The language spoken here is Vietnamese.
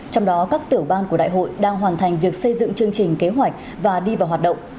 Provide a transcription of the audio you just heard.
trong đó các tiểu ban của đại hội đang hoàn thành việc xây dựng chương trình kế hoạch và đi vào hoạt động